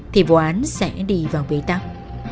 thì vụ án sẽ đi vào bế tắc